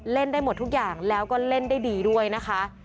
เล่นได้หมดทุกอย่างแล้วก็เล่นได้ดีด้วยนะคะ